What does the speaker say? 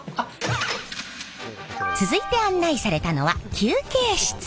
続いて案内されたのは休憩室。